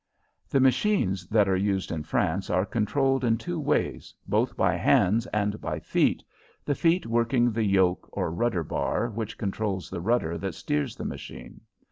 The machines that are used in France are controlled in two ways, both by hands and by feet, the feet working the yoke or rudder bar which controls the rudder that steers the machine.